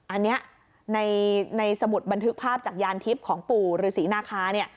อันนี้ในสมุดบันทึกภาพจากยานทิพย์ของปู่ฤษีนาคาเนี่ย